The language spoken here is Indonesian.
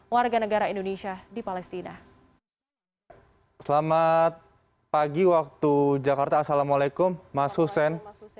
warga negara indonesia di palestina selamat pagi waktu jakarta assalamualaikum mas hussein